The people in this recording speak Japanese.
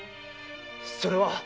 それは。